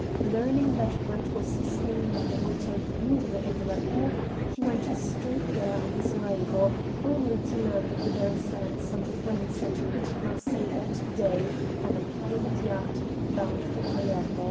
Learning that Brett was staying at the Hotel du Louvre et de la Paix, he went straight there on his arrival, only to learn that the barrister and some friends had quitted Marseilles that day on a private yacht bound for Palermo.